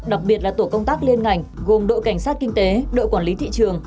đặc biệt là tổ công tác liên ngành gồm đội cảnh sát kinh tế đội quản lý thị trường